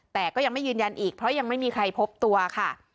แต่ก็ยังไม่ยืนยันอีกเพราะยังไม่มีใครพบตัวค่ะ